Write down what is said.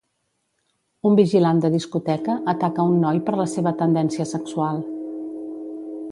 Un vigilant de discoteca ataca a un noi per la seva tendència sexual